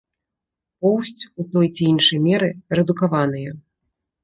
Поўсць ў той ці іншай меры рэдукаваныя.